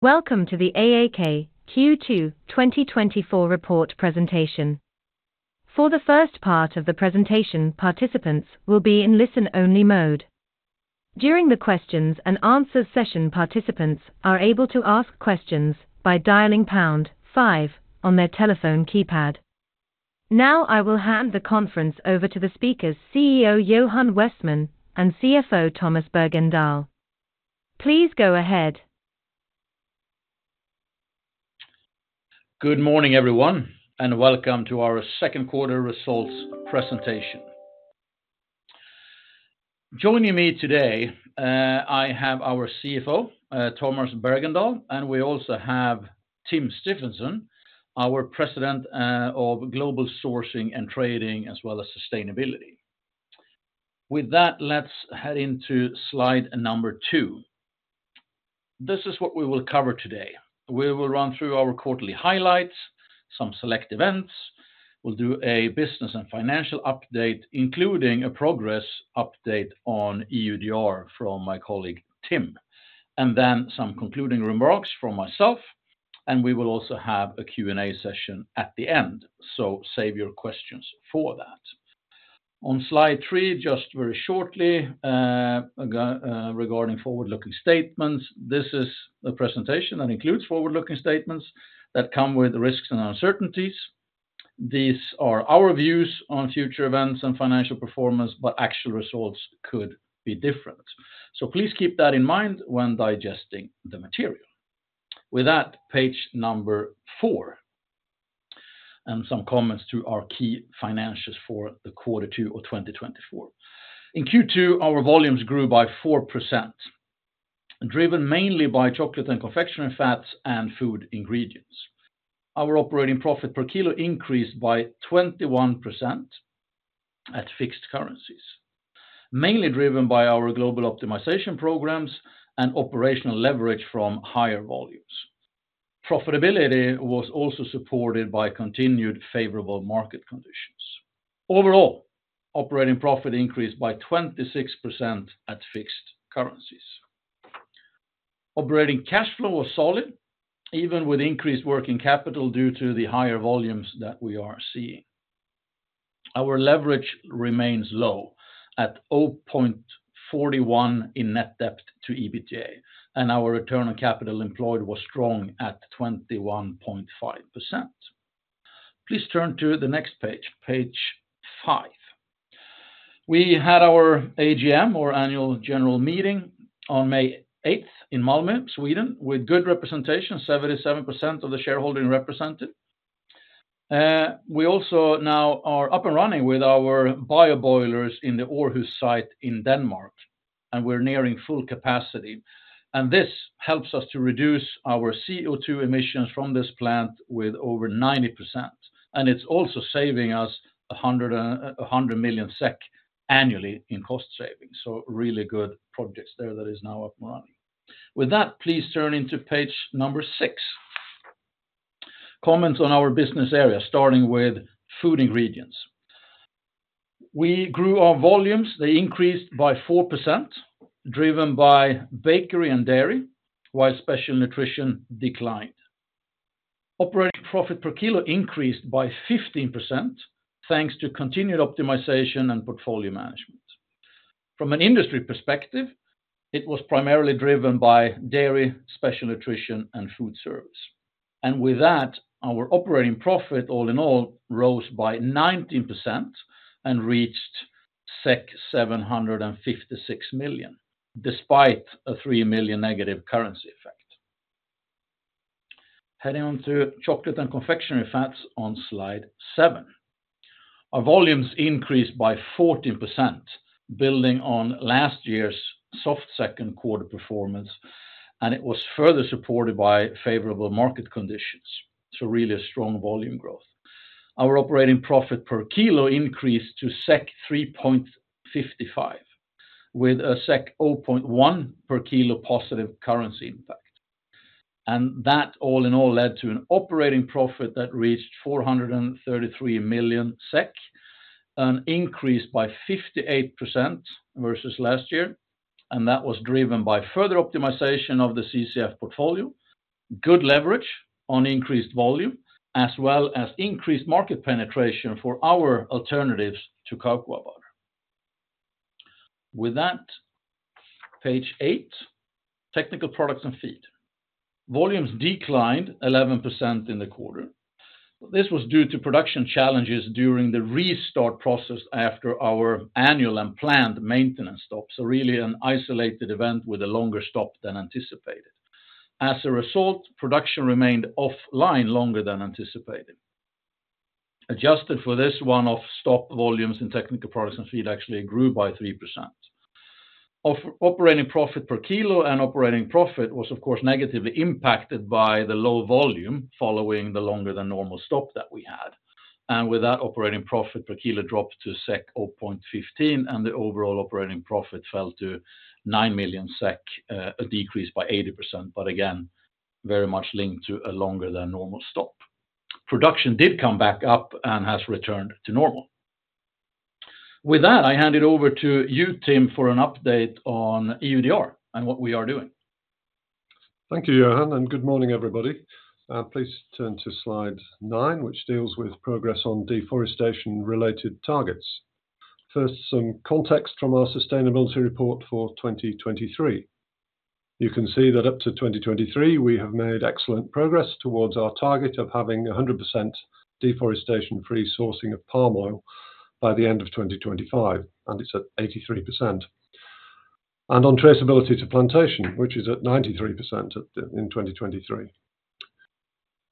Welcome to the AAK Q2 2024 report presentation. For the first part of the presentation, participants will be in listen-only mode. During the questions and answers session, participants are able to ask questions by dialing pound five on their telephone keypad. Now, I will hand the conference over to the speakers, CEO Johan Westman and CFO Tomas Bergendahl. Please go ahead. Good morning, everyone, and welcome to our second quarter results presentation. Joining me today, I have our CFO, Tomas Bergendahl, and we also have Tim Stephenson, our President, of Global Sourcing and Trading, as well as Sustainability. With that, let's head into slide number two. This is what we will cover today. We will run through our quarterly highlights, some select events. We'll do a business and financial update, including a progress update on EUDR from my colleague, Tim, and then some concluding remarks from myself, and we will also have a Q&A session at the end, so save your questions for that. On Slide three, just very shortly, regarding forward-looking statements, this is a presentation that includes forward-looking statements that come with risks and uncertainties. These are our views on future events and financial performance, but actual results could be different. So please keep that in mind when digesting the material. With that, page 4, and some comments to our key financials for Q2 2024. In Q2, our volumes grew by 4%, driven mainly by Chocolate and Confectionery Fats and Food Ingredients. Our operating profit per kilo increased by 21% at fixed currencies, mainly driven by our global optimization programs and operational leverage from higher volumes. Profitability was also supported by continued favorable market conditions. Overall, operating profit increased by 26% at fixed currencies. Operating cash flow was solid, even with increased working capital due to the higher volumes that we are seeing. Our leverage remains low at 0.41 in net debt to EBITDA, and our return on capital employed was strong at 21.5%. Please turn to the next page, page 5. We had our AGM, or annual general meeting, on May 8th in Malmö, Sweden, with good representation, 77% of the shareholding represented. We also now are up and running with our bio boilers in the Aarhus site in Denmark, and we're nearing full capacity, and this helps us to reduce our CO2 emissions from this plant with over 90%, and it's also saving us 100 million SEK annually in cost savings. So really good projects there that is now up and running. With that, please turn into page 6. Comments on our business area, starting with Food Ingredients. We grew our volumes. They increased by 4%, driven by bakery and dairy, while Special Nutrition declined. Operating profit per kilo increased by 15%, thanks to continued optimization and portfolio management. From an industry perspective, it was primarily driven by dairy, Special Nutrition, and Food Service. With that, our operating profit, all in all, rose by 19% and reached 756 million, despite a 3 million negative currency effect. Heading on to Chocolate and Confectionery Fats on Slide 7. Our volumes increased by 14%, building on last year's soft second quarter performance, and it was further supported by favorable market conditions. Really a strong volume growth. Our operating profit per kilo increased to 3.55, with a 0.1 per kilo positive currency impact. And that, all in all, led to an operating profit that reached 433 million SEK, an increase by 58% versus last year, and that was driven by further optimization of the CCF portfolio, good leverage on increased volume, as well as increased market penetration for our alternatives to cocoa butter. With that, page 8, Technical Products and Feed. Volumes declined 11% in the quarter. This was due to production challenges during the restart process after our annual and planned maintenance stop, so really an isolated event with a longer stop than anticipated. As a result, production remained offline longer than anticipated. Adjusted for this, one-off stop volumes in Technical Products and Feed actually grew by 3%. Operating profit per kilo and operating profit was, of course, negatively impacted by the low volume following the longer than normal stop that we had. And with that, operating profit per kilo dropped to 0.15, and the overall operating profit fell to 9 million SEK, a decrease by 80%, but again, very much linked to a longer than normal stop. Production did come back up and has returned to normal. With that, I hand it over to you, Tim, for an update on EUDR and what we are doing. Thank you, Johan, and good morning, everybody. Please turn to slide 9, which deals with progress on deforestation-related targets. First, some context from our sustainability report for 2023. You can see that up to 2023, we have made excellent progress towards our target of having 100% deforestation-free sourcing of palm oil by the end of 2025, and it's at 83%. And on traceability to plantation, which is at 93% at the, in 2023.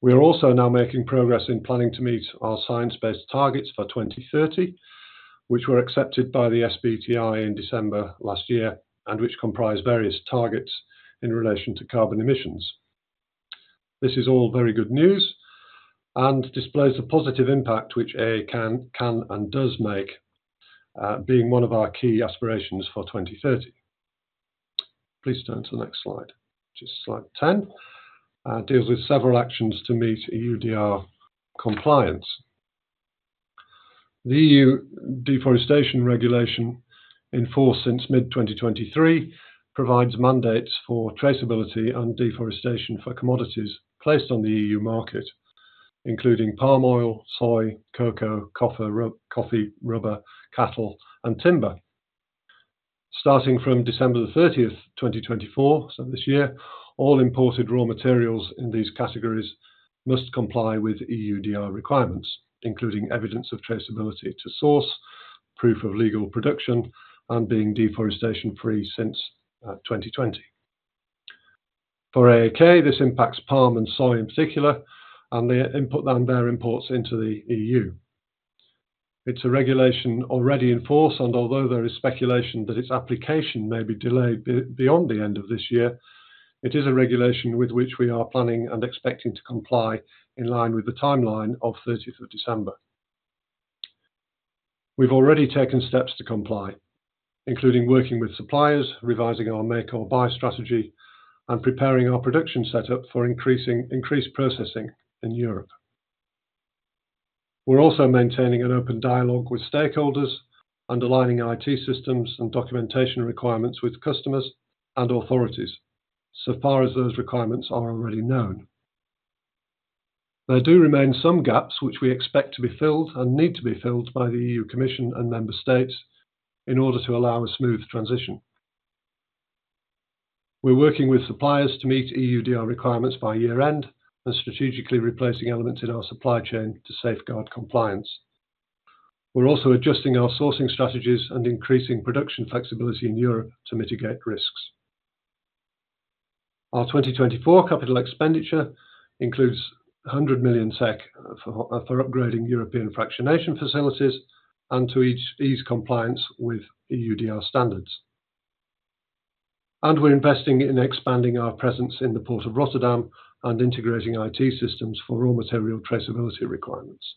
We are also now making progress in planning to meet our science-based targets for 2030, which were accepted by the SBTi in December last year, and which comprise various targets in relation to carbon emissions. This is all very good news and displays a positive impact which AAK can, can and does make, being one of our key aspirations for 2030. Please turn to the next slide, which is slide 10. It deals with several actions to meet EUDR compliance. The EU Deforestation Regulation, in force since mid-2023, provides mandates for traceability and deforestation for commodities placed on the EU market, including palm oil, soy, cocoa, coffee, rubber, cattle, and timber. Starting from December 30th, 2024, so this year, all imported raw materials in these categories must comply with EUDR requirements, including evidence of traceability to source, proof of legal production, and being deforestation-free since 2020. For AAK, this impacts palm and soy in particular, and the input and their imports into the EU. It's a regulation already in force, and although there is speculation that its application may be delayed beyond the end of this year, it is a regulation with which we are planning and expecting to comply in line with the timeline of thirtieth of December. We've already taken steps to comply, including working with suppliers, revising our make or buy strategy, and preparing our production setup for increased processing in Europe. We're also maintaining an open dialogue with stakeholders, underlining our IT systems and documentation requirements with customers and authorities, so far as those requirements are already known. There do remain some gaps, which we expect to be filled and need to be filled by the European Commission and member states in order to allow a smooth transition. We're working with suppliers to meet EUDR requirements by year-end and strategically replacing elements in our supply chain to safeguard compliance. We're also adjusting our sourcing strategies and increasing production flexibility in Europe to mitigate risks. Our 2024 capital expenditure includes 100 million SEK for upgrading European fractionation facilities and to ease compliance with EUDR standards. We're investing in expanding our presence in the Port of Rotterdam and integrating IT systems for raw material traceability requirements.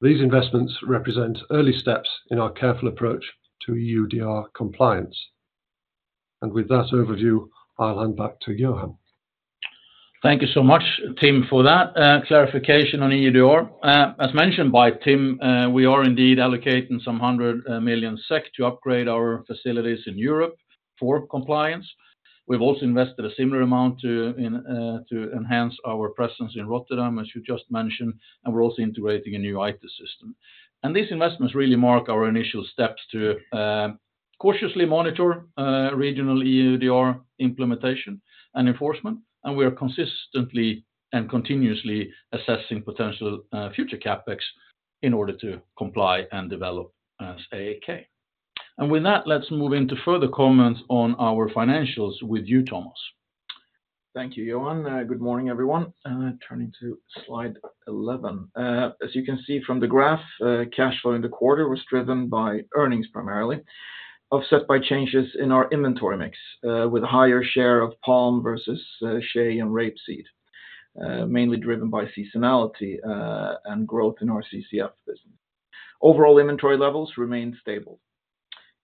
These investments represent early steps in our careful approach to EUDR compliance. With that overview, I'll hand back to Johan. Thank you so much, Tim, for that clarification on EUDR. As mentioned by Tim, we are indeed allocating some 100 million SEK to upgrade our facilities in Europe for compliance. We've also invested a similar amount to in, to enhance our presence in Rotterdam, as you just mentioned, and we're also integrating a new IT system. These investments really mark our initial steps to cautiously monitor regional EUDR implementation and enforcement, and we are consistently and continuously assessing potential future CapEx in order to comply and develop as AAK. With that, let's move into further comments on our financials with you, Tomas. Thank you, Johan. Good morning, everyone. Turning to slide 11. As you can see from the graph, cash flow in the quarter was driven by earnings primarily, offset by changes in our inventory mix, with a higher share of palm versus shea and rapeseed, mainly driven by seasonality, and growth in our CCF business. Overall, inventory levels remained stable,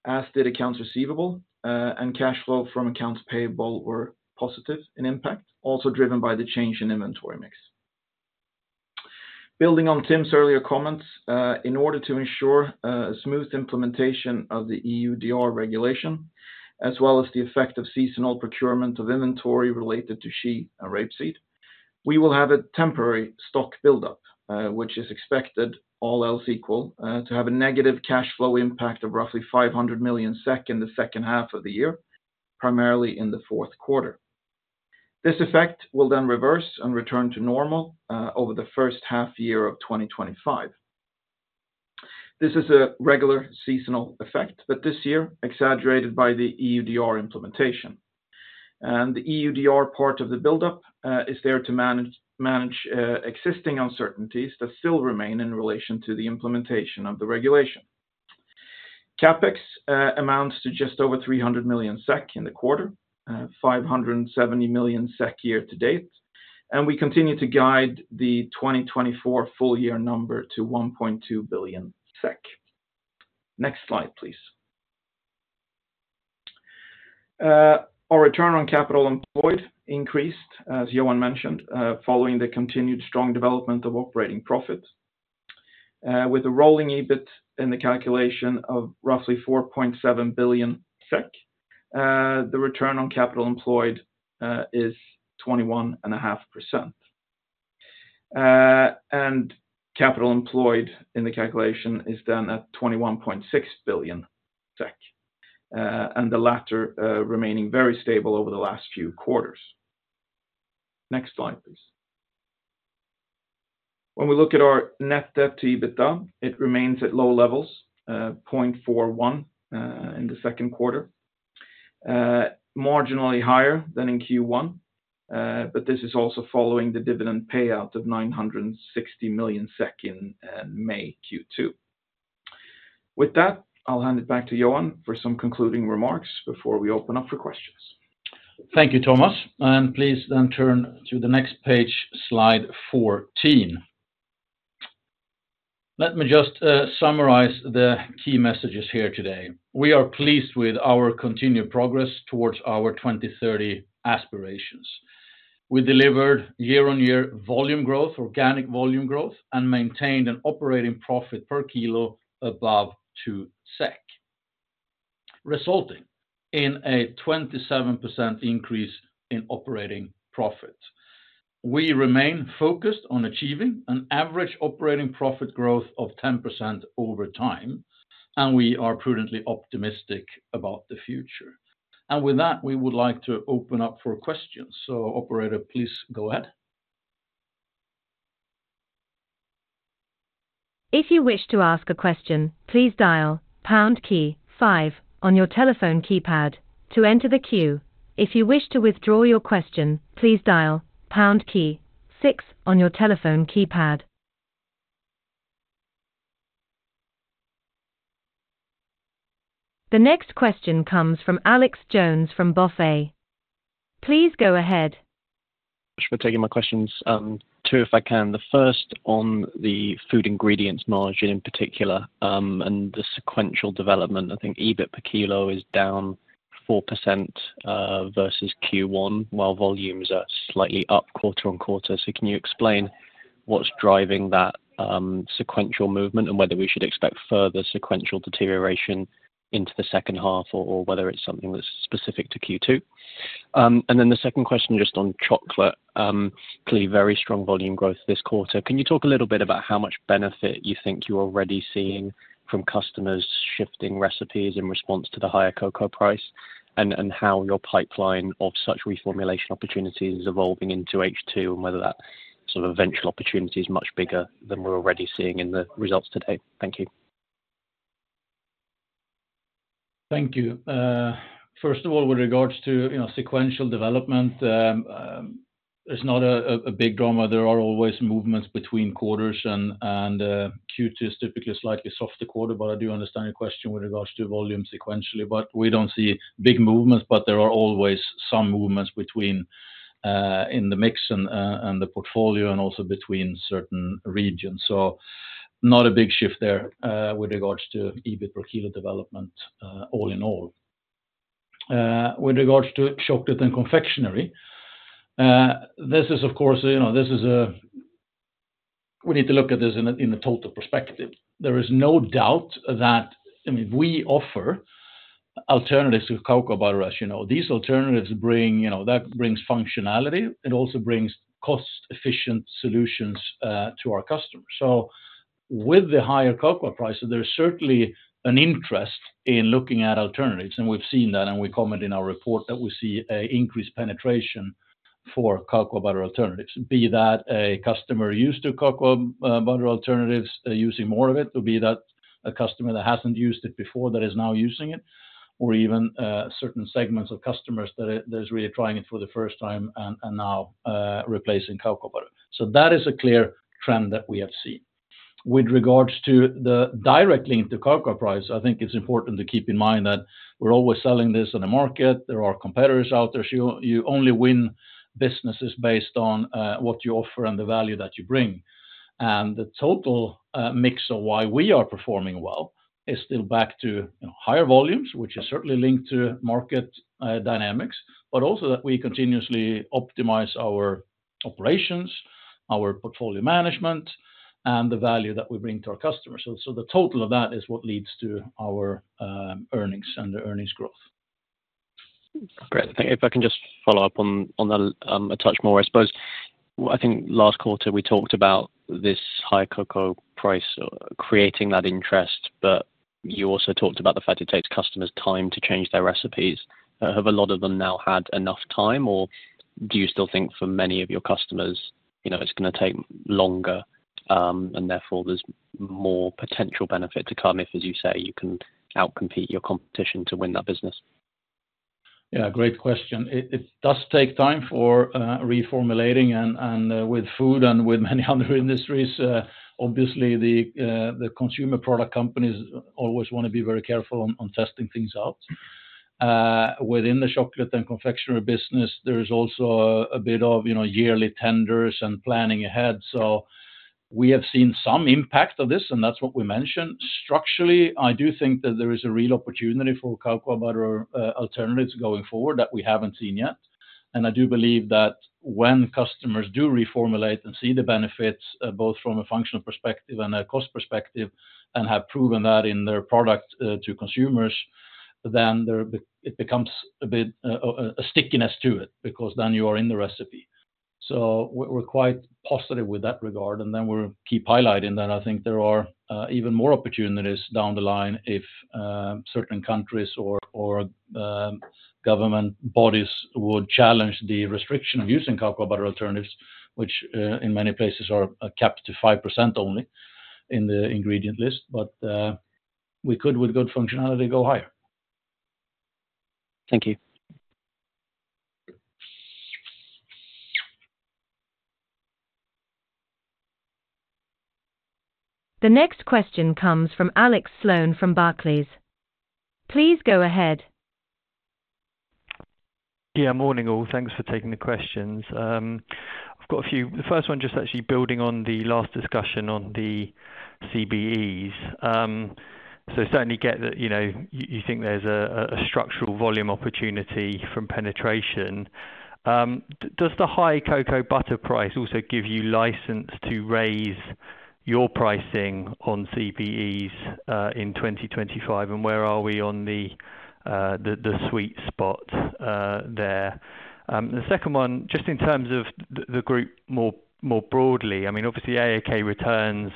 as did accounts receivable, and cash flow from accounts payable were positive in impact, also driven by the change in inventory mix. Building on Tim's earlier comments, in order to ensure a smooth implementation of the EUDR regulation, as well as the effect of seasonal procurement of inventory related to shea and rapeseed, we will have a temporary stock buildup, which is expected, all else equal, to have a negative cash flow impact of roughly 500 million SEK in the second half of the year, primarily in the fourth quarter. This effect will then reverse and return to normal over the first half of 2025. This is a regular seasonal effect, but this year, exaggerated by the EUDR implementation. The EUDR part of the buildup is there to manage existing uncertainties that still remain in relation to the implementation of the regulation. CapEx amounts to just over 300 million SEK in the quarter, 570 million SEK year to date, and we continue to guide the 2024 full-year number to 1.2 billion SEK. Next slide, please. Our return on capital employed increased, as Johan mentioned, following the continued strong development of operating profit. With the rolling EBIT in the calculation of roughly 4.7 billion SEK, the return on capital employed is 21.5%. And capital employed in the calculation is done at 21.6 billion SEK, and the latter remaining very stable over the last few quarters. Next slide, please. When we look at our net debt to EBITDA, it remains at low levels, 0.41, in the second quarter. Marginally higher than in Q1, but this is also following the dividend payout of 960 million SEK in May Q2. With that, I'll hand it back to Johan for some concluding remarks before we open up for questions. Thank you, Tomas, and please then turn to the next page, slide 14. Let me just, summarize the key messages here today. We are pleased with our continued progress towards our 2030 aspirations. We delivered year-on-year volume growth, organic volume growth, and maintained an operating profit per kilo above 2 SEK, resulting in a 27% increase in operating profit. We remain focused on achieving an average operating profit growth of 10% over time, and we are prudently optimistic about the future. And with that, we would like to open up for questions. So operator, please go ahead. If you wish to ask a question, please dial pound key five on your telephone keypad to enter the queue. If you wish to withdraw your question, please dial pound key six on your telephone keypad. The next question comes from Alex Jones, from Berenberg. Please go ahead. For taking my questions. Two, if I can, the first on the Food Ingredients margin in particular, and the sequential development. I think EBIT per kilo is down 4%, versus Q1, while volumes are slightly up quarter-on-quarter. So can you explain what's driving that sequential movement and whether we should expect further sequential deterioration into the second half, or whether it's something that's specific to Q2? And then the second question, just on chocolate. Clearly very strong volume growth this quarter. Can you talk a little bit about how much benefit you think you're already seeing from customers shifting recipes in response to the higher cocoa price? And, and how your pipeline of such reformulation opportunities is evolving into H2, and whether that sort of eventual opportunity is much bigger than we're already seeing in the results today. Thank you. Thank you. First of all, with regards to, you know, sequential development, it's not a big drama. There are always movements between quarters and Q2 is typically a slightly softer quarter. But I do understand your question with regards to volume sequentially, but we don't see big movements, but there are always some movements between in the mix and the portfolio and also between certain regions. So not a big shift there, with regards to EBIT per kilo development, all in all. With regards to chocolate and confectionery, this is, of course, you know, this is. We need to look at this in a total perspective. There is no doubt that, I mean, we offer alternatives to cocoa butter, as you know. These alternatives bring, you know, that brings functionality. It also brings cost-efficient solutions to our customers. So with the higher cocoa prices, there's certainly an interest in looking at alternatives, and we've seen that, and we comment in our report that we see a increased penetration for cocoa butter alternatives. Be that a customer used to cocoa butter alternatives using more of it, or be that a customer that hasn't used it before that is now using it, or even certain segments of customers that is really trying it for the first time and now replacing cocoa butter. So that is a clear trend that we have seen. With regards to the directly into cocoa price, I think it's important to keep in mind that we're always selling this on the market. There are competitors out there, so you, you only win businesses based on what you offer and the value that you bring. And the total mix of why we are performing well is still back to, you know, higher volumes, which are certainly linked to market dynamics, but also that we continuously optimize our operations, our portfolio management, and the value that we bring to our customers. So, so the total of that is what leads to our earnings and the earnings growth. Great. If I can just follow up on that, a touch more. I suppose, I think last quarter we talked about this high cocoa price, creating that interest, but you also talked about the fact it takes customers time to change their recipes. Have a lot of them now had enough time, or do you still think for many of your customers, you know, it's gonna take longer, and therefore there's more potential benefit to come if, as you say, you can outcompete your competition to win that business? Yeah, great question. It does take time for reformulating and with food and with many other industries, obviously the consumer product companies always want to be very careful on testing things out. Within the chocolate and confectionery business, there is also a bit of, you know, yearly tenders and planning ahead. We have seen some impact of this, and that's what we mentioned. Structurally, I do think that there is a real opportunity for cocoa butter alternatives going forward that we haven't seen yet. And I do believe that when customers do reformulate and see the benefits, both from a functional perspective and a cost perspective, and have proven that in their product to consumers, then it becomes a bit of a stickiness to it, because then you are in the recipe. So we're quite positive with that regard, and then we'll keep highlighting that. I think there are even more opportunities down the line if certain countries or government bodies would challenge the restriction of using cocoa butter alternatives, which in many places are capped to five percent only in the ingredient list. But we could, with good functionality, go higher. Thank you. The next question comes from Alex Sloane from Barclays. Please go ahead. Yeah, morning, all. Thanks for taking the questions. I've got a few. The first one just actually building on the last discussion on the CBEs. So certainly get that, you know, you think there's a structural volume opportunity from penetration. Does the high cocoa butter price also give you license to raise your pricing on CBEs in 2025? And where are we on the sweet spot there? The second one, just in terms of the group, more broadly, I mean, obviously, AAK returns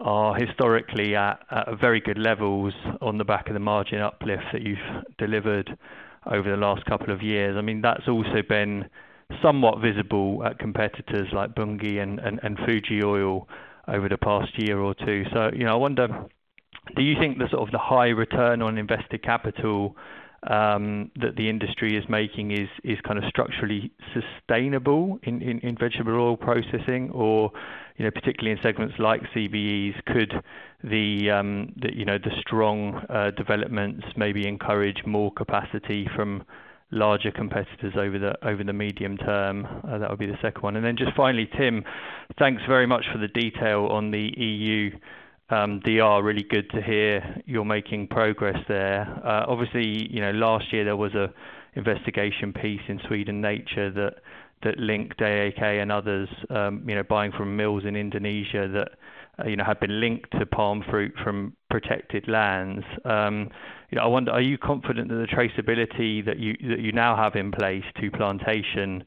are historically at a very good levels on the back of the margin uplift that you've delivered over the last couple of years. I mean, that's also been somewhat visible at competitors like Bunge and Fuji Oil over the past year or two. So, you know, I wonder, do you think the sort of the high return on invested capital that the industry is making is kind of structurally sustainable in vegetable oil processing? Or, you know, particularly in segments like CBEs, could the you know, the strong developments maybe encourage more capacity from larger competitors over the medium term? That would be the second one. And then just finally, Tim, thanks very much for the detail on the EUDR. Really good to hear you're making progress there. Obviously, you know, last year there was an investigation piece in Sveriges Natur that linked AAK and others, you know, buying from mills in Indonesia that had been linked to palm fruit from protected lands. You know, I wonder, are you confident that the traceability that you, that you now have in place to plantation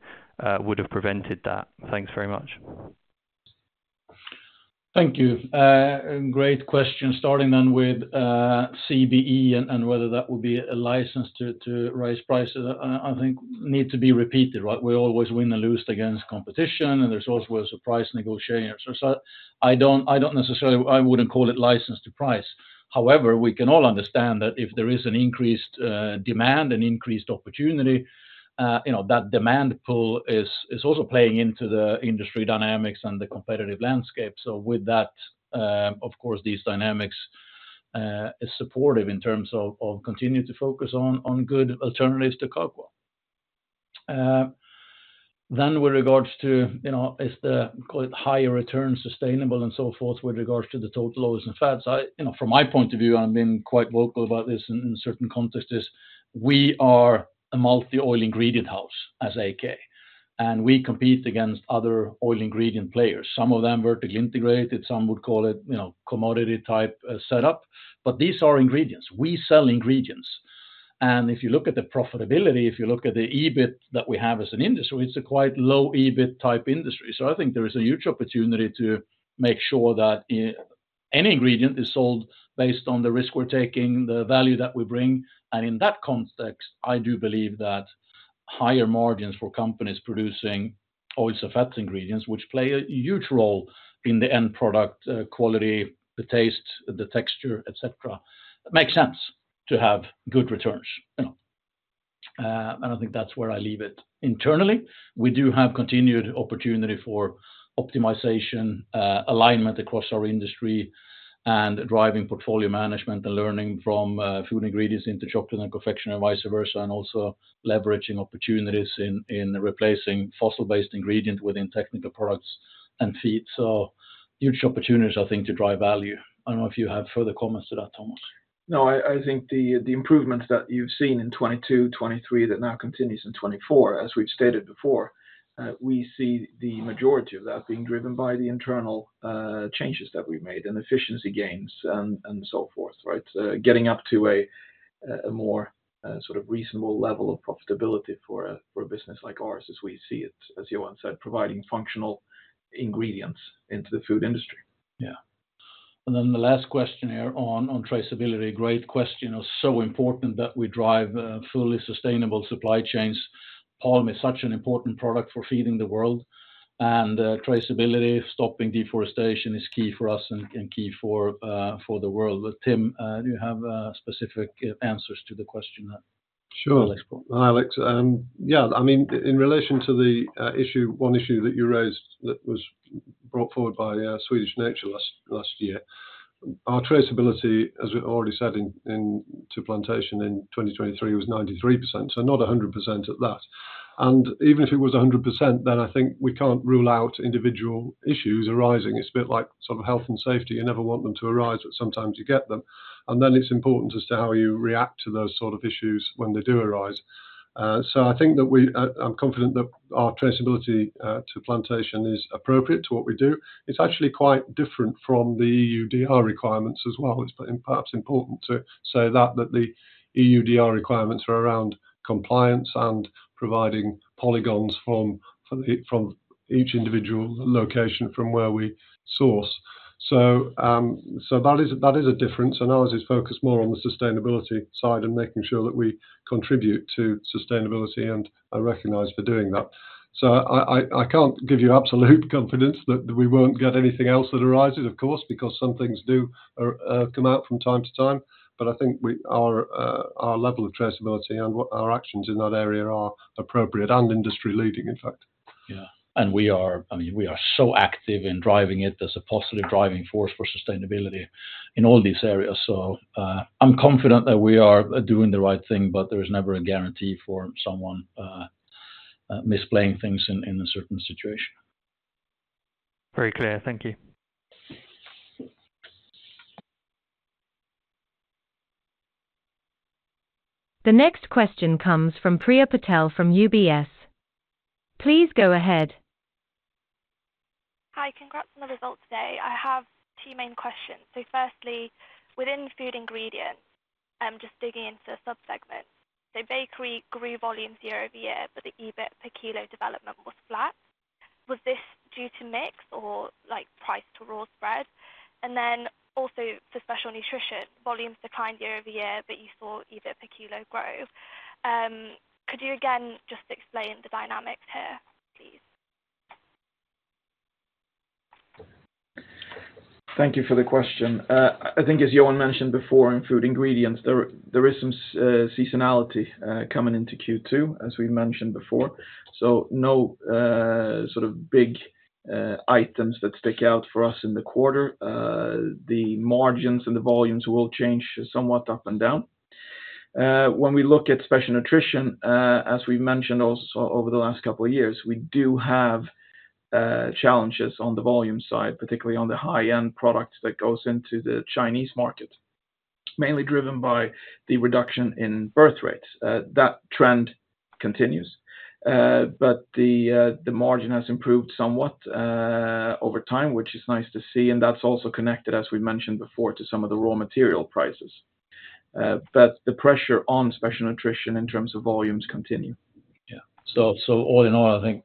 would have prevented that? Thanks very much. Thank you. Great question. Starting then with, CBE and whether that would be a license to raise prices, I think need to be repeated, right? We always win and lose against competition, and there's always a price negotiation. So I don't necessarily—I wouldn't call it license to price. However, we can all understand that if there is an increased demand, an increased opportunity, you know, that demand pull is also playing into the industry dynamics and the competitive landscape. So with that, of course, these dynamics is supportive in terms of continuing to focus on good alternatives to cocoa. Then with regards to, you know, is the, call it, higher returns sustainable and so forth, with regards to the total oils and fats? You know, from my point of view, I've been quite vocal about this in, in certain contexts, is we are a multi-oil ingredient house as AAK, and we compete against other oil ingredient players. Some of them vertically integrated, some would call it, you know, commodity type setup. But these are ingredients. We sell ingredients, and if you look at the profitability, if you look at the EBIT that we have as an industry, it's a quite low EBIT type industry. So I think there is a huge opportunity to make sure that any ingredient is sold based on the risk we're taking, the value that we bring. And in that context, I do believe that higher margins for companies producing oils and fats ingredients, which play a huge role in the end product, quality, the taste, the texture, et cetera, makes sense to have good returns, you know? And I think that's where I leave it. Internally, we do have continued opportunity for optimization, alignment across our industry and driving portfolio management and learning from, Food Ingredients into chocolate and confection and vice versa, and also leveraging opportunities in replacing fossil-based ingredients within Technical Products and Feed. So huge opportunities, I think, to drive value. I don't know if you have further comments to that, Tomas. No, I think the improvements that you've seen in 2022, 2023, that now continues in 2024, as we've stated before, we see the majority of that being driven by the internal changes that we've made and efficiency gains and so forth, right? Getting up to a more sort of reasonable level of profitability for a business like ours, as we see it, as Johan said, providing functional ingredients into the food industry. Yeah. And then the last question here on traceability. Great question. It's so important that we drive fully sustainable supply chains. Palm is such an important product for feeding the world, and traceability, stopping deforestation is key for us and key for the world. But Tim, do you have specific answers to the question that- Sure. Alex put? Alex, yeah, I mean, in relation to the issue, one issue that you raised that was brought forward by Sveriges Natur last year- ... Our traceability, as we've already said, in to plantation in 2023 was 93%, so not a 100% at that. And even if it was a 100%, then I think we can't rule out individual issues arising. It's a bit like sort of health and safety. You never want them to arise, but sometimes you get them, and then it's important as to how you react to those sort of issues when they do arise. So I think that we, I'm confident that our traceability to plantation is appropriate to what we do. It's actually quite different from the EUDR requirements as well. It's perhaps important to say that, that the EUDR requirements are around compliance and providing polygons from each individual location from where we source. So, that is a difference, and ours is focused more on the sustainability side and making sure that we contribute to sustainability, and are recognized for doing that. So I can't give you absolute confidence that we won't get anything else that arises, of course, because some things do come out from time to time, but I think our level of traceability and what our actions in that area are appropriate and industry-leading, in fact. Yeah. And we are, I mean, we are so active in driving it as a positive driving force for sustainability in all these areas. So, I'm confident that we are doing the right thing, but there is never a guarantee for someone misplaying things in a certain situation. Very clear. Thank you. The next question comes from Priya Patel from UBS. Please go ahead. Hi, congrats on the results today. I have two main questions. So firstly, within Food Ingredients, I'm just digging into the sub-segments. So bakery grew volumes year-over-year, but the EBIT per kilo development was flat. Was this due to mix or like price to raw spread? And then also for Special Nutrition, volumes declined year-over-year, but you saw EBIT per kilo grow. Could you again just explain the dynamics here, please? Thank you for the question. I think as Johan mentioned before in Food Ingredients, there is some seasonality coming into Q2, as we mentioned before, so no sort of big items that stick out for us in the quarter. The margins and the volumes will change somewhat up and down. When we look at Special Nutrition, as we've mentioned also over the last couple of years, we do have challenges on the volume side, particularly on the high-end products that goes into the Chinese market, mainly driven by the reduction in birth rates. That trend continues, but the margin has improved somewhat over time, which is nice to see, and that's also connected, as we mentioned before, to some of the raw material prices. But the pressure on Special Nutrition in terms of volumes continue. Yeah. So, so all in all, I think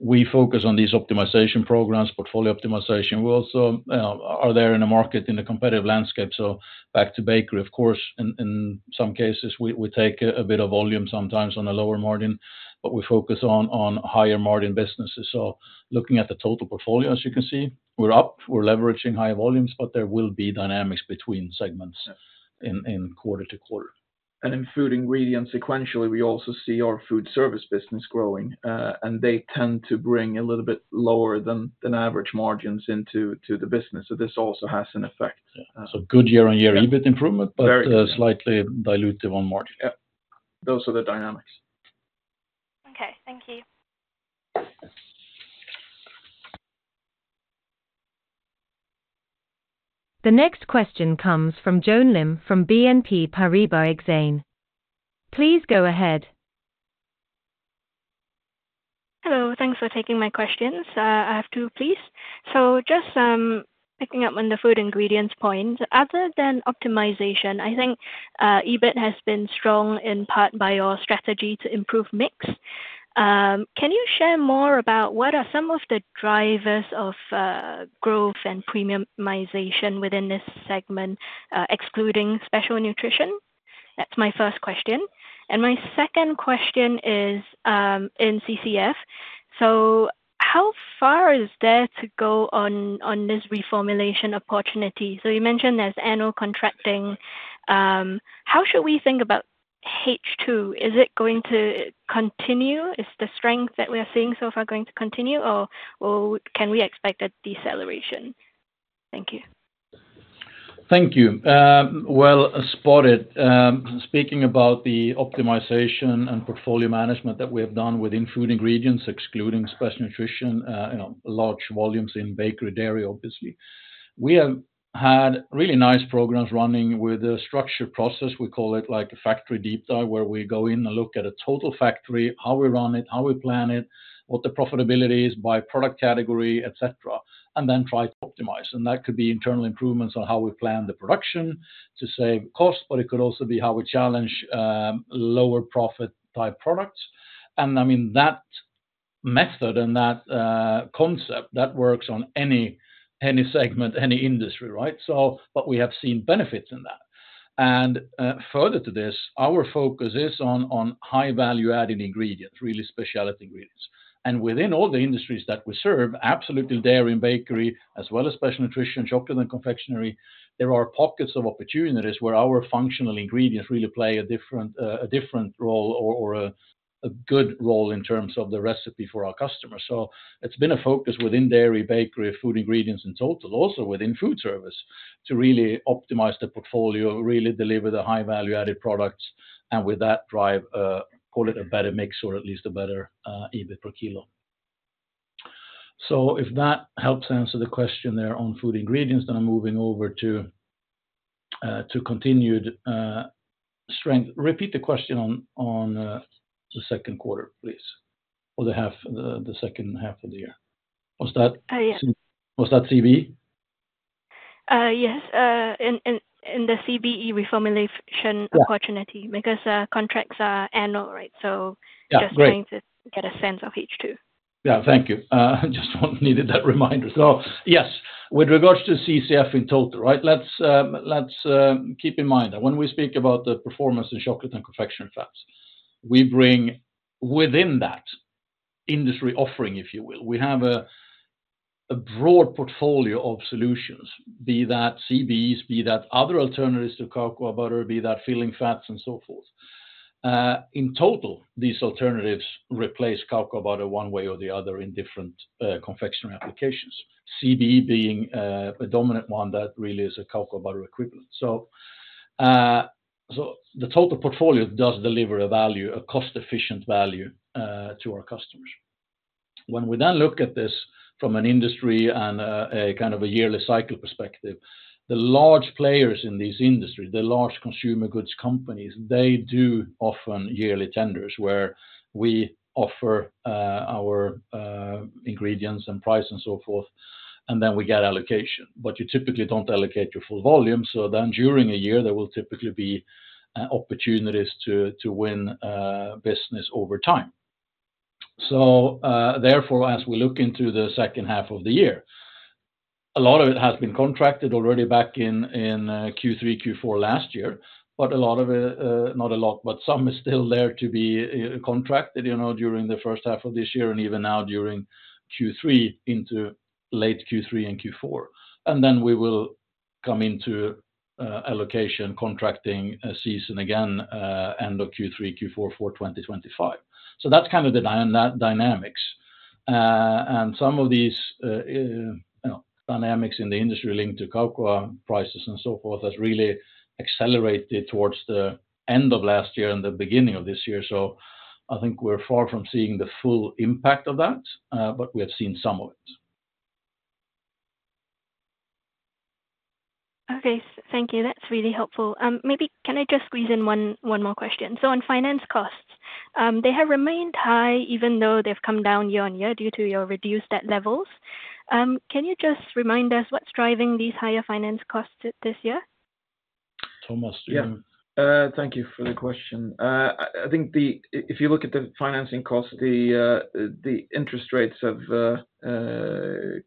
we focus on these optimization programs, portfolio optimization. We also are there in the market in a competitive landscape. So back to bakery, of course, in some cases, we take a bit of volume, sometimes on a lower margin, but we focus on higher margin businesses. So looking at the total portfolio, as you can see, we're up, we're leveraging higher volumes, but there will be dynamics between segments. Yeah... in quarter-to-quarter. In Food Ingredients, sequentially, we also see our Food Service business growing, and they tend to bring a little bit lower than average margins into the business. So this also has an effect. Yeah. So good year-on-year EBIT improvement- Very... but, slightly dilutive on margin. Yeah. Those are the dynamics. Okay. Thank you. The next question comes from Joan Lim from BNP Paribas Exane. Please go ahead. Hello. Thanks for taking my questions. I have two, please. So just picking up on the Food Ingredients point, other than optimization, I think EBIT has been strong in part by your strategy to improve mix. Can you share more about what are some of the drivers of growth and premiumization within this segment excluding Special Nutrition? That's my first question. And my second question is in CCF: So how far is there to go on this reformulation opportunity? So you mentioned there's annual contracting. How should we think about H2? Is it going to continue? Is the strength that we are seeing so far going to continue, or can we expect a deceleration? Thank you. Thank you. Well spotted. Speaking about the optimization and portfolio management that we have done within Food Ingredients, excluding special nutrition, you know, large volumes in bakery, dairy, obviously. We have had really nice programs running with a structured process. We call it like a factory deep dive, where we go in and look at a total factory, how we run it, how we plan it, what the profitability is by product category, et cetera, and then try to optimize. And that could be internal improvements on how we plan the production to save cost, but it could also be how we challenge, lower profit-type products. And I mean, that method and that, concept, that works on any, any segment, any industry, right? So but we have seen benefits in that. Further to this, our focus is on high-value-added ingredients, really specialty ingredients. Within all the industries that we serve, absolutely dairy and bakery, as well as Special Nutrition, chocolate and confectionery, there are pockets of opportunities where our functional ingredients really play a different role or a good role in terms of the recipe for our customers. So it's been a focus within dairy, bakery, Food Ingredients, and total, also within food service to really optimize the portfolio, really deliver the high-value-added products, and with that drive, call it a better mix or at least a better EBIT per kilo. So if that helps answer the question there on Food Ingredients, then I'm moving over to continued strength. Repeat the question on the second quarter, please, or the half, the second half of the year. Was that— Oh, yeah. Was that CBE? Yes, in the CBE reformulation- Yeah -opportunity, because, contracts are annual, right? So- Yeah, great Just trying to get a sense of H2. Yeah, thank you. Just needed that reminder. So yes, with regards to CCF in total, right? Let's keep in mind that when we speak about the performance in chocolate and confection fats, we bring within that industry offering, if you will. We have a broad portfolio of solutions, be that CBEs, be that other alternatives to cocoa butter, be that filling fats and so forth. In total, these alternatives replace cocoa butter one way or the other in different confectionery applications. CBE being a dominant one that really is a cocoa butter equivalent. So, the total portfolio does deliver a value, a cost-efficient value, to our customers. When we then look at this from an industry and a kind of yearly cycle perspective, the large players in this industry, the large consumer goods companies, they do often yearly tenders where we offer our ingredients and price and so forth, and then we get allocation. But you typically don't allocate your full volume, so then during the year there will typically be opportunities to win business over time. So, therefore, as we look into the second half of the year, a lot of it has been contracted already back in Q3, Q4 last year, but a lot of it, not a lot, but some is still there to be contracted, you know, during the first half of this year and even now during Q3 into late Q3 and Q4. And then we will come into allocation contracting season again end of Q3, Q4 for 2025. So that's kind of the dynamics. And some of these you know dynamics in the industry linked to cocoa prices and so forth has really accelerated towards the end of last year and the beginning of this year. So I think we're far from seeing the full impact of that, but we have seen some of it. Okay. Thank you. That's really helpful. Maybe can I just squeeze in one more question? On finance costs, they have remained high even though they've come down year-on-year due to your reduced debt levels. Can you just remind us what's driving these higher finance costs this year? Tomas, do you- Yeah. Thank you for the question. I think if you look at the financing costs, the interest rates have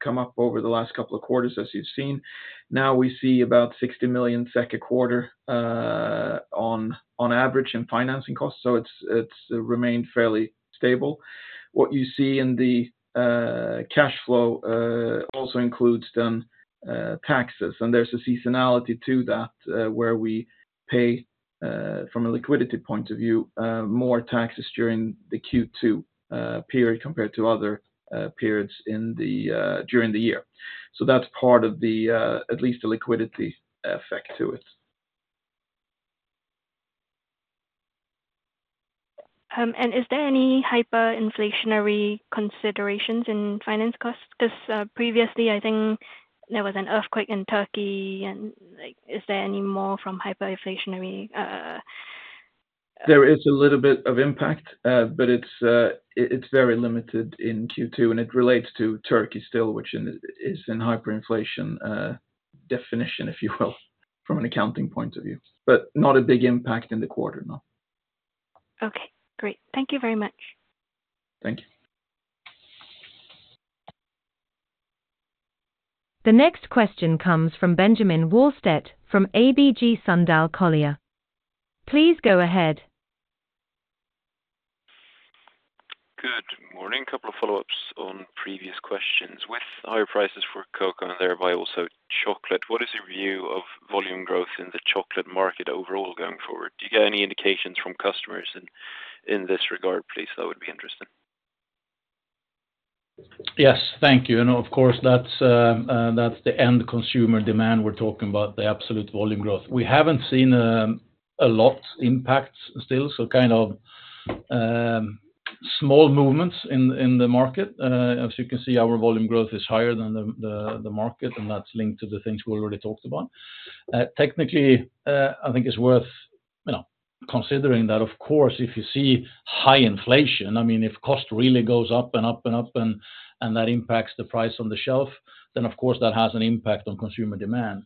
come up over the last couple of quarters, as you've seen. Now we see about 60 million SEK in the second quarter, on average in financing costs, so it's remained fairly stable. What you see in the cash flow also includes then taxes, and there's a seasonality to that, where we pay, from a liquidity point of view, more taxes during the Q2 period, compared to other periods during the year. So that's part of at least the liquidity effect to it. Is there any hyperinflationary considerations in finance costs? 'Cause, previously, I think there was an earthquake in Turkey, and, like, is there any more from hyperinflationary There is a little bit of impact, but it's very limited in Q2, and it relates to Turkey still, which is in hyperinflation definition, if you will, from an accounting point of view, but not a big impact in the quarter, no. Okay, great. Thank you very much. Thank you. The next question comes from Benjamin Wahlstedt from ABG Sundal Collier. Please go ahead. Good morning. Couple of follow-ups on previous questions. With higher prices for cocoa and thereby also chocolate, what is your view of volume growth in the chocolate market overall going forward? Do you get any indications from customers in this regard, please? That would be interesting. Yes. Thank you. And of course, that's the end consumer demand we're talking about, the absolute volume growth. We haven't seen a lot impacts still, so kind of small movements in the market. As you can see, our volume growth is higher than the market, and that's linked to the things we already talked about. Technically, I think it's worth, you know, considering that, of course, if you see high inflation, I mean, if cost really goes up and up and up and that impacts the price on the shelf, then, of course, that has an impact on consumer demand.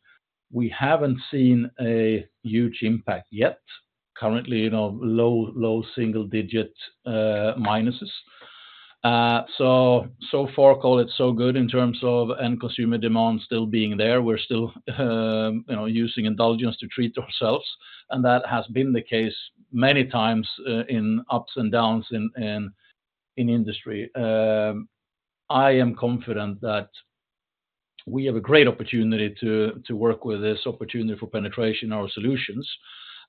We haven't seen a huge impact yet. Currently, you know, low single digit minuses. So far, call it so good in terms of end consumer demand still being there. We're still, you know, using indulgence to treat ourselves, and that has been the case many times in ups and downs in industry. I am confident that we have a great opportunity to work with this opportunity for penetration our solutions,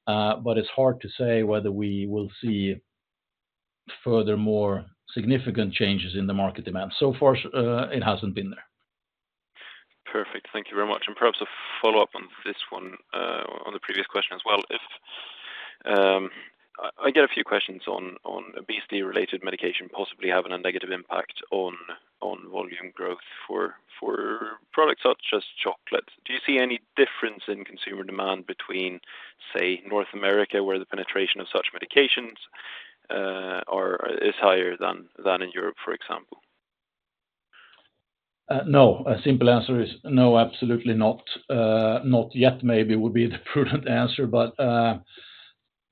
but it's hard to say whether we will see furthermore significant changes in the market demand. So far, it hasn't been there. Perfect. Thank you very much. And perhaps a follow-up on this one, on the previous question as well. If I get a few questions on obesity-related medication possibly having a negative impact on volume growth for products such as chocolate. Do you see any difference in consumer demand between, say, North America, where the penetration of such medications is higher than in Europe, for example? No. A simple answer is no, absolutely not. Not yet, maybe would be the prudent answer, but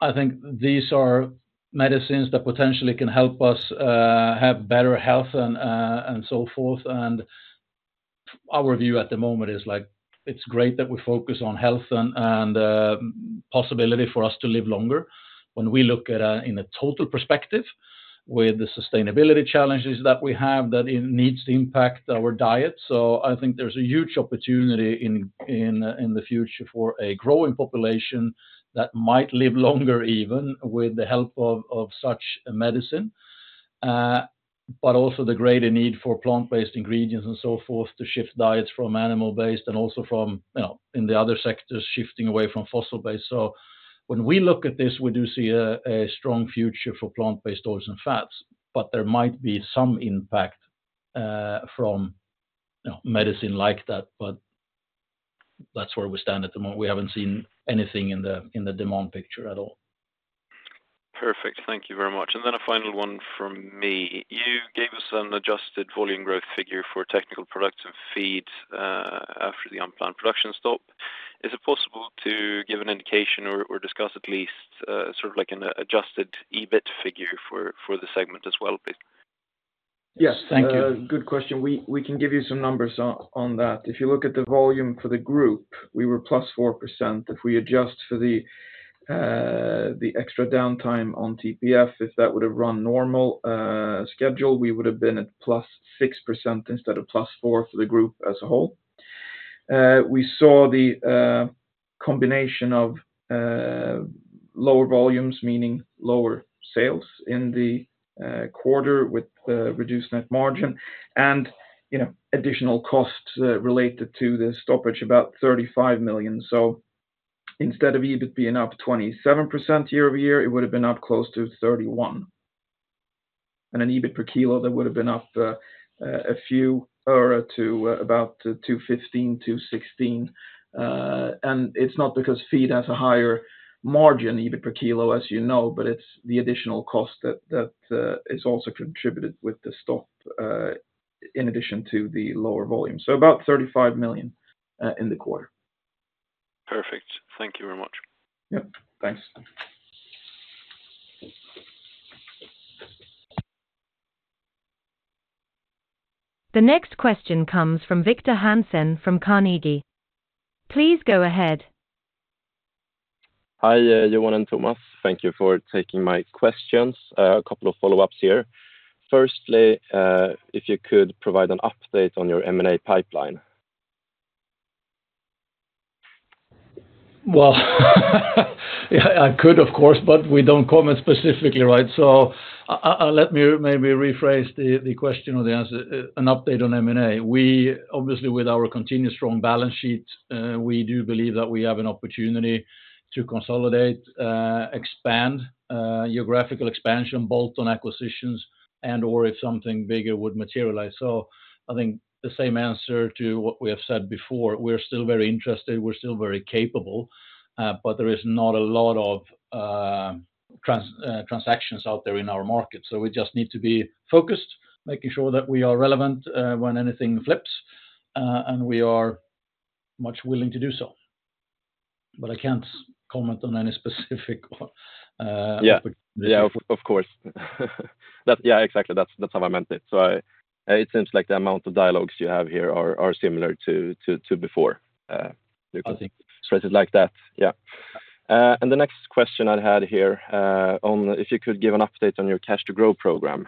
I think these are medicines that potentially can help us have better health and so forth. Our view at the moment is like, it's great that we focus on health and possibility for us to live longer. When we look at in a total perspective with the sustainability challenges that we have, that it needs to impact our diet. So I think there's a huge opportunity in the future for a growing population that might live longer, even with the help of such medicine. But also the greater need for plant-based ingredients and so forth to shift diets from animal-based and also from, you know, in the other sectors, shifting away from fossil-based. So when we look at this, we do see a strong future for plant-based oils and fats, but there might be some impact from you know, medicine like that, but that's where we stand at the moment. We haven't seen anything in the demand picture at all. Perfect. Thank you very much. And then a final one from me. You gave us an adjusted volume growth figure for Technical Products and Feed, after the unplanned production stop. Is it possible to give an indication or discuss at least, sort of like an adjusted EBIT figure for the segment as well, please? Yes. Thank you. Good question. We can give you some numbers on that. If you look at the volume for the group, we were plus 4%. If we adjust for the extra downtime on TPF, if that would have run normal schedule, we would have been at plus 6% instead of plus 4 for the group as a whole. We saw the combination of lower volumes, meaning lower sales in the quarter with the reduced net margin and, you know, additional costs related to the stoppage, about 35 million. So instead of EBIT being up 27% year-over-year, it would have been up close to 31%. And an EBIT per kilo, that would have been up a few or to about 215, 216. And it's not because feed has a higher margin, EBIT per kilo, as you know, but it's the additional cost that is also contributed with the stock in addition to the lower volume. So about 35 million in the quarter. Perfect. Thank you very much. Yep. Thanks. The next question comes from Victor Hansen from Carnegie. Please go ahead. Hi, Johan and Tomas. Thank you for taking my questions. A couple of follow-ups here. Firstly, if you could provide an update on your M&A pipeline? Well, I could, of course, but we don't comment specifically, right? So let me maybe rephrase the question or the answer, an update on M&A. We obviously, with our continuous strong balance sheet, we do believe that we have an opportunity to consolidate, expand, geographical expansion, both on acquisitions and or if something bigger would materialize. So I think the same answer to what we have said before, we're still very interested, we're still very capable, but there is not a lot of transactions out there in our market. So we just need to be focused, making sure that we are relevant, when anything flips, and we are much willing to do so. But I can't comment on any specific. Yeah. Yeah, of course. That... Yeah, exactly. That's how I meant it. So it seems like the amount of dialogues you have here are similar to before. You can phrase it like that. Yeah. And the next question I had here on if you could give an update on your Cash to Grow program,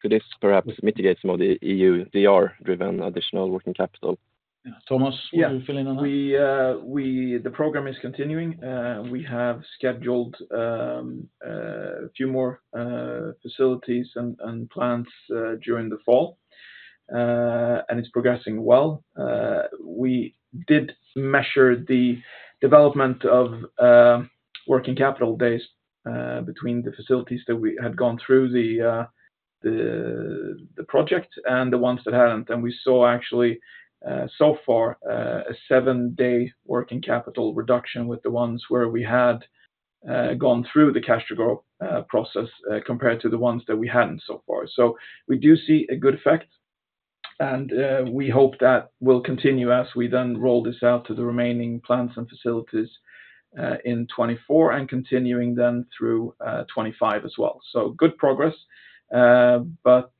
could this perhaps mitigate some of the EUDR-driven additional working capital? Yeah, Tomas, want to fill in on that? Yeah. The program is continuing. We have scheduled a few more facilities and plants during the fall, and it's progressing well. We did measure the development of working capital days between the facilities that we had gone through the project and the ones that hadn't. And we saw actually so far a 7-day working capital reduction with the ones where we had gone through the Cash to Grow process compared to the ones that we hadn't so far. So we do see a good effect, and we hope that will continue as we then roll this out to the remaining plants and facilities in 2024 and continuing then through 2025 as well. So good progress, but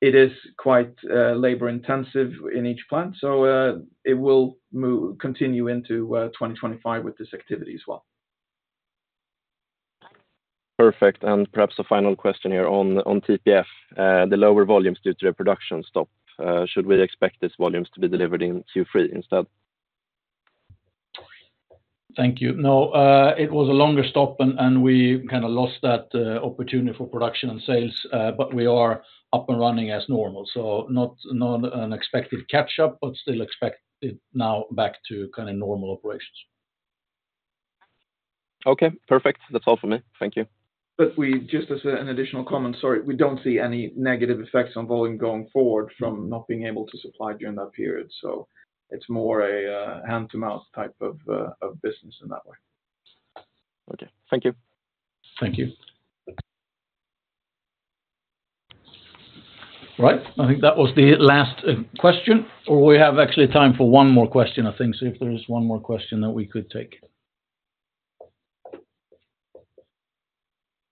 it is quite labor-intensive in each plant, so it will continue into 2025 with this activity as well. Perfect. Perhaps a final question here on TPF, the lower volumes due to a production stop. Should we expect these volumes to be delivered in Q3 instead? ... Thank you. No, it was a longer stop, and we kind of lost that opportunity for production and sales, but we are up and running as normal. So not an expected catch-up, but still expect it now back to kind of normal operations. Okay, perfect. That's all for me. Thank you. But we just as an additional comment, sorry. We don't see any negative effects on volume going forward from not being able to supply during that period, so it's more a hand-to-mouth type of business in that way. Okay. Thank you. Thank you. Right, I think that was the last question, or we have actually time for one more question, I think. So if there is one more question that we could take.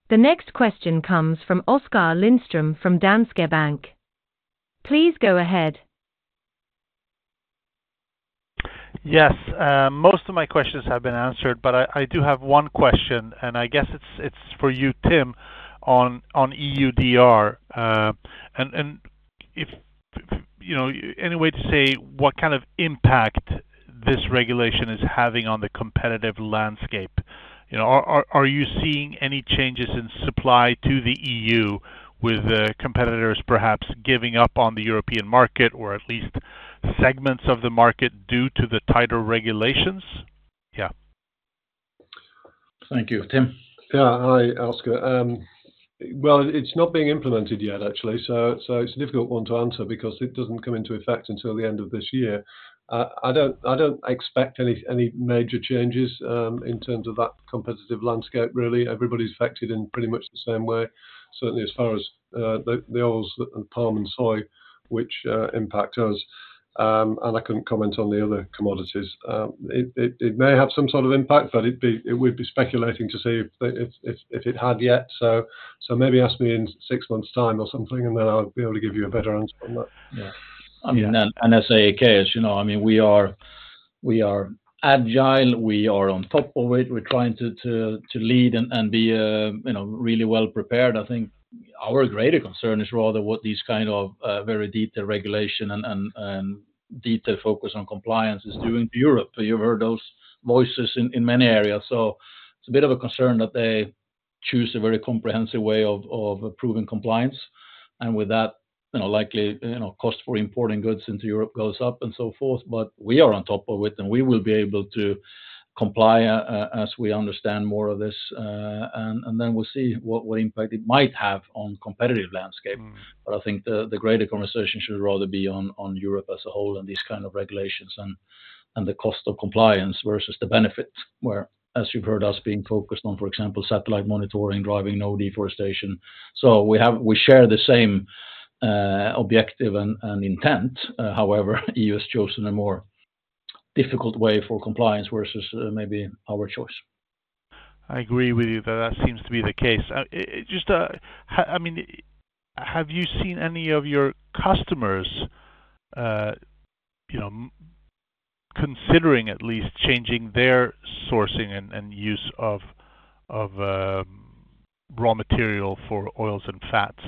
The next question comes from Oskar Lindström from Danske Bank. Please go ahead. Yes. Most of my questions have been answered, but I do have one question, and I guess it's for you, Tim, on EUDR. And if you know any way to say what kind of impact this regulation is having on the competitive landscape? You know, are you seeing any changes in supply to the EU with competitors perhaps giving up on the European market, or at least segments of the market, due to the tighter regulations? Yeah. Thank you. Tim? Yeah. Hi, Oskar. Well, it's not being implemented yet, actually, so it's a difficult one to answer because it doesn't come into effect until the end of this year. I don't expect any major changes in terms of that competitive landscape, really. Everybody's affected in pretty much the same way. Certainly as far as the oils and palm and soy, which impact us. And I couldn't comment on the other commodities. It may have some sort of impact, but it would be speculating to say if it had yet, so maybe ask me in six months' time or something, and then I'll be able to give you a better answer on that. Yeah. I mean, as AAK, as you know, I mean, we are agile, we are on top of it. We're trying to lead and be, you know, really well prepared. I think our greater concern is rather what these kind of very detailed regulation and detailed focus on compliance is doing to Europe. You've heard those voices in many areas. So it's a bit of a concern that they choose a very comprehensive way of approving compliance, and with that, you know, likely, you know, cost for importing goods into Europe goes up and so forth. But we are on top of it, and we will be able to comply, as we understand more of this, and then we'll see what impact it might have on competitive landscape. But I think the greater conversation should rather be on Europe as a whole and these kind of regulations and the cost of compliance versus the benefit, where, as you've heard us being focused on, for example, satellite monitoring, driving no deforestation. So we have, we share the same objective and intent. However, EU has chosen a more difficult way for compliance versus maybe our choice. I agree with you that that seems to be the case. It just, I mean, have you seen any of your customers, you know, considering at least changing their sourcing and, and use of, of, raw material for oils and fats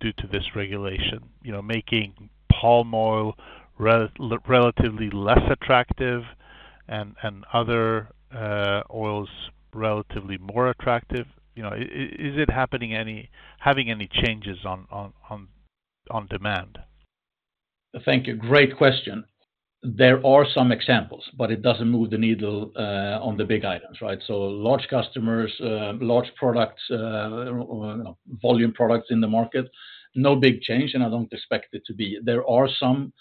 due to this regulation? You know, making palm oil relatively less attractive and, and other, oils relatively more attractive. You know, is it happening any having any changes on demand? Thank you. Great question. There are some examples, but it doesn't move the needle on the big items, right? So large customers, large products, or, you know, volume products in the market, no big change, and I don't expect it to be. There are some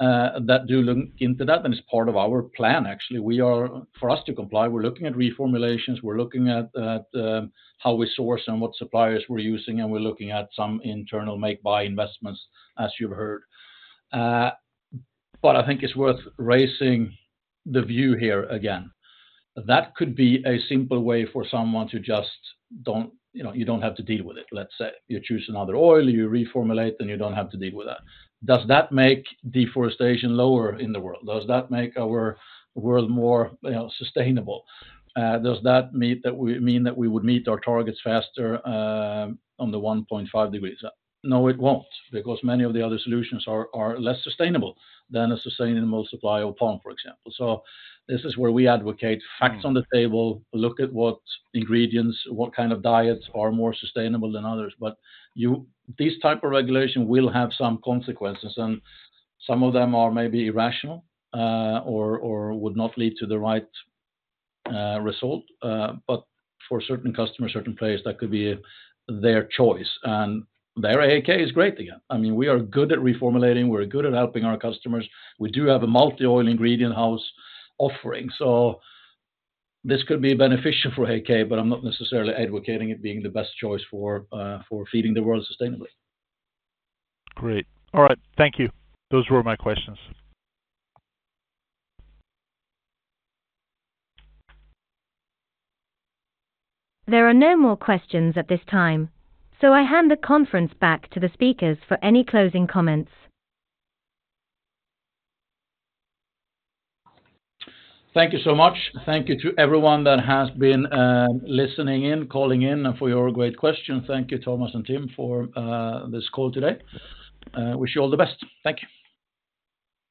that do look into that, and it's part of our plan actually. We are—for us to comply, we're looking at reformulations, we're looking at, at how we source and what suppliers we're using, and we're looking at some internal make, buy investments, as you heard. But I think it's worth raising the view here again. That could be a simple way for someone to just don't... You know, you don't have to deal with it. Let's say you choose another oil, you reformulate, then you don't have to deal with that. Does that make deforestation lower in the world? Does that make our world more, you know, sustainable? Does that mean that we would meet our targets faster on the 1.5 degrees? No, it won't, because many of the other solutions are less sustainable than a sustainable supply of palm, for example. So this is where we advocate facts on the table, look at what ingredients, what kind of diets are more sustainable than others. This type of regulation will have some consequences, and some of them are maybe irrational, or would not lead to the right result. But for certain customers, certain players, that could be their choice, and there AAK is great again. I mean, we are good at reformulating. We're good at helping our customers. We do have a multi-oil ingredient house offering, so this could be beneficial for AAK, but I'm not necessarily advocating it being the best choice for feeding the world sustainably. Great. All right. Thank you. Those were my questions. There are no more questions at this time, so I hand the conference back to the speakers for any closing comments. Thank you so much. Thank you to everyone that has been listening in, calling in, and for your great questions. Thank you, Tomas and Tim, for this call today. Wish you all the best. Thank you.